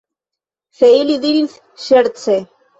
Se ili diris ŝerce.